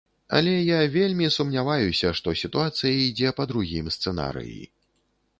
Але я вельмі сумняваюся, што сітуацыя ідзе па другім сцэнарыі.